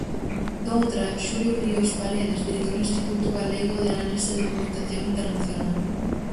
Doutra, Xulio Ríos Paredes, director do Instituto Galego de Análise e Documentación Internacional.